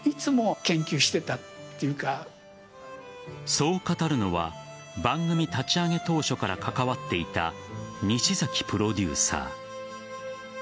そう語るのは番組立ち上げ当初から関わっていた西崎プロデューサー。